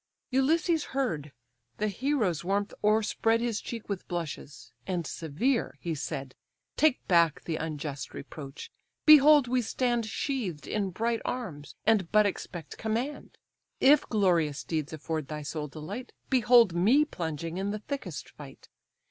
Ulysses heard: the hero's warmth o'erspread His cheek with blushes: and severe, he said: "Take back the unjust reproach! Behold we stand Sheathed in bright arms, and but expect command. If glorious deeds afford thy soul delight, Behold me plunging in the thickest fight.